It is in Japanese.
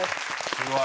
すごい！